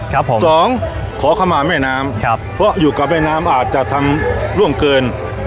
ครับผมสองขอเข้ามาแม่น้ำครับเพราะอยู่กับแม่น้ำอาจจะทำล่วงเกิน